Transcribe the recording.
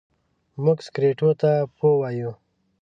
موږ سګرېټو ته پو وايو.